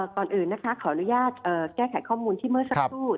ก่อนอื่นนะคะขออนุญาตแก้ไขข้อมูลที่เมื่อสักครู่